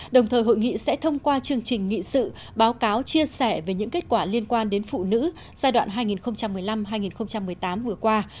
đồng thời hội nghị sẽ thông qua chương trình nghị sự báo cáo chia sẻ về những kết quả liên quan đến phụ nữ giai đoạn hai nghìn một mươi năm hai nghìn một mươi tám vừa qua